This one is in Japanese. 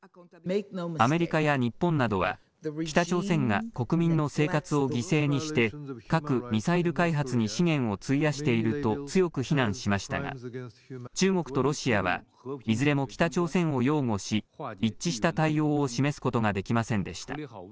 アメリカや日本などは北朝鮮が国民の生活を犠牲にして核ミサイル・開発に資源を費やしていると強く非難しましたが中国とロシアはいずれも北朝鮮を擁護し一致した対応を示すことができませんでした。